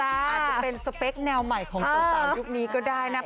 อาจจะเป็นสเปคแนวใหม่ของสาวยุคนี้ก็ได้นะคะ